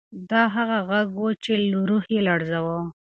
دا هغه غږ و چې روح یې لړزاوه.